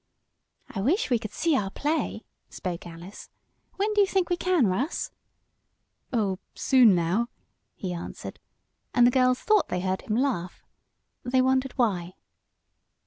"I wish we could see our play," spoke Alice. "When do you think we can, Russ?" "Oh, soon now," he answered, and the girls thought they heard him laugh. They wondered why.